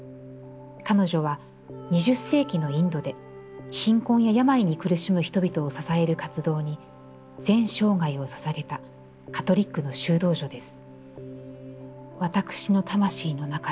彼女は二〇世紀のインドで、貧困や病に苦しむ人々を支える活動に全生涯をささげたカトリックの修道女です」。